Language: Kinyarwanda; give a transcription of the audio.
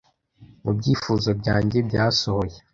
mu byifuzo byanjye byasohoye